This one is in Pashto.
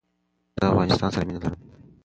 زه افغانستان سر مینه لرم